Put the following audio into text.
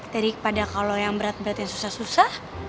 daripada kalau yang berat berat yang susah susah